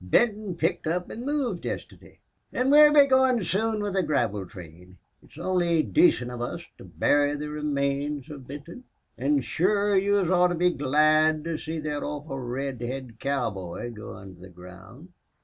Benton picked up an' moved yistiday. An' we'll be goin' soon wid the graveltrain. It's only dacent of us to bury the remains of Benton. An' shure yez ought to be glad to see that orful red head cowboy go under the ground."